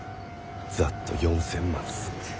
ざっと４，０００万っす。